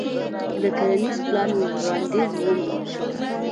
د کرنيز پلان وړانديز ومنل شو.